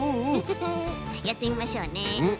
やってみましょうね。